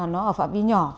nó ở phạm vi nhỏ